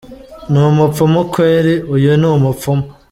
Ni Umupfumu kweri? Uyu ni Umupfumu.